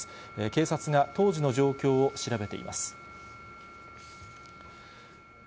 警察が当時の状況を調べています。